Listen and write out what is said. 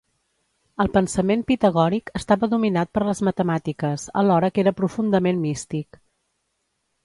El pensament pitagòric estava dominat per les matemàtiques, alhora que era profundament místic.